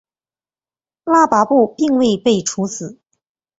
拉跋布并未被处死。